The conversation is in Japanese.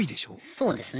そうですね。